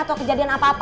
atau kejadian apa apa